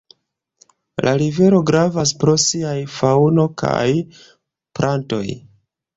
La rivero gravas pro siaj faŭno kaj plantoj.